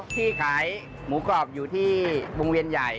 ที่ขายหมูกรอบอยู่ที่วงเวียนใหญ่